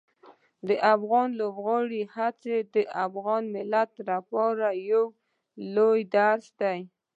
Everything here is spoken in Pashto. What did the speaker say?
د افغان لوبغاړو هڅې د افغان ملت لپاره یو لوی درس دي.